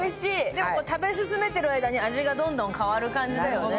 でも食べ進めている間に味がどんどん変わる感じだよね。